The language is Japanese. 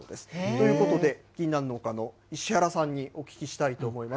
ということで、ぎんなん農家の石原さんにお聞きしたいと思います。